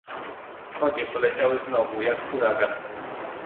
"Konie poleciały znowu, jak huragan."